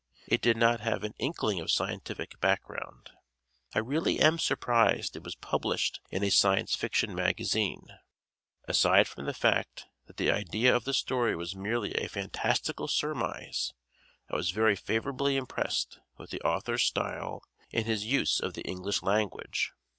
It did not have an inkling of scientific background. I really am surprised it was published in a Science Fiction magazine. Aside from the fact that the idea of the story was merely a fantastical surmise I was very favorably impressed with the author's style and his use of the English language.